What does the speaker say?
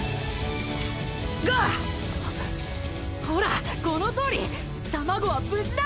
ほらこのとおり卵は無事だ！